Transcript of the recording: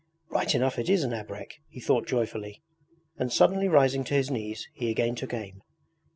'Right enough it is an abrek! he thought joyfully, and suddenly rising to his knees he again took aim.